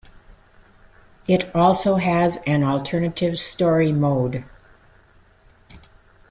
It also has an alternative "story mode".